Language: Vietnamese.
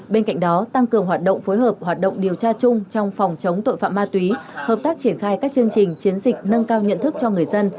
bên cạnh đó tăng cường hoạt động phối hợp hoạt động điều tra chung trong phòng chống tội phạm ma túy hợp tác triển khai các chương trình chiến dịch nâng cao nhận thức cho người dân